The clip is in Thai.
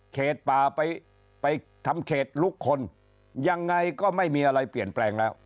เขตป่าไปไปทำเขตลุกคนยังไงก็ไม่มีอะไรเปลี่ยนแปลงแล้ว